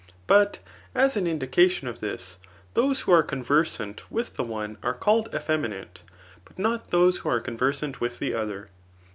But as an indication of this, those who are conversant with the one are called eflFeminate, but not those who are conversant with the other.